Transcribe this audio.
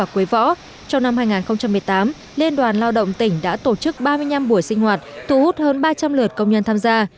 quế võ trong năm hai nghìn một mươi tám liên đoàn lao động tỉnh đã tổ chức ba mươi năm buổi sinh hoạt thu hút hơn ba trăm linh lượt công nhân tham gia